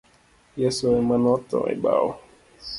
Yeso emanotho e bao.